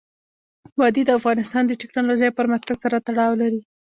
وادي د افغانستان د تکنالوژۍ پرمختګ سره تړاو لري.